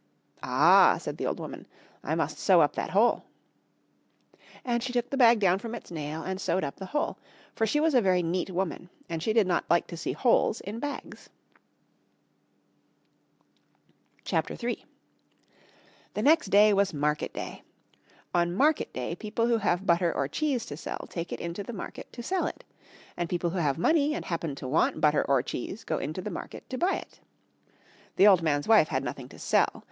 "Ah," said the old woman, "I must sew up that hole." And she took the bag down from its nail and sewed up the hole. For she was a very neat woman and she did not like to see holes in bags. [Illustration: She took the bag down and sewed up the hole.] CHAPTER III. The next day was market day. On market day people who have butter or cheese to sell take it into the market to sell it. And people who have money and happen to want butter or cheese go into the market to buy it. The old man's wife had nothing to sell.